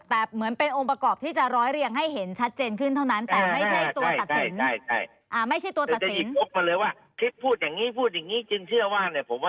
แต่มันเป็นองค์ประกอบที่จะร้อยเรียงให้เช็นชัดเจนเท่านั้น